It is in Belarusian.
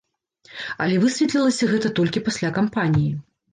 Але высветлілася гэта толькі пасля кампаніі.